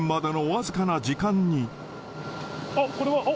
あっ、これは。